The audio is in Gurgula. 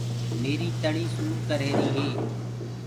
ميريٚ تݪيٚ سُور ڪر رهيري هي۔